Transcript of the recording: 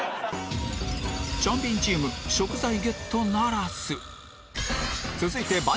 チャンビンチーム食材ゲットならず